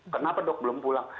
kenapa dok belum pulang